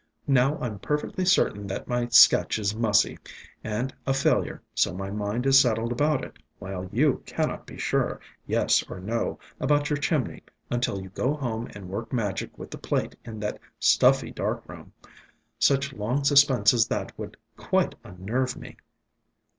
" Now, I 'm perfectly certain that my sketch is mussy, and a failure, so my mind is settled about it, while you cannot be sure, yes or no, about your chimney until you go home and work magic with the plate in that stuffy dark room. Such long suspense as that would quite unnerve me.